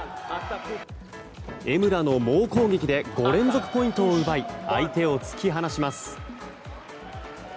江村の猛攻撃で５連続ポイントを奪い相手を突き放します。